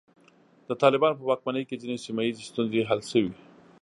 د طالبانو په واکمنۍ کې ځینې سیمه ییزې ستونزې حل شوې.